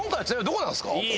ここなんですか？